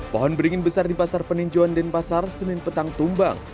pohon beringin besar di pasar peninjauan denpasar senin petang tumbang